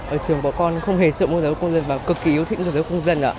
ở trường bà con không hề sợ môn giáo dục công dân mà cực kỳ yêu thích môn giáo dục công dân ạ